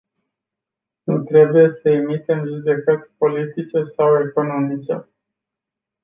Nu trebuie să emitem judecăți politice sau economice.